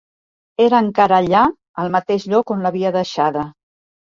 Era encara allà, al mateix lloc on l'havia deixada.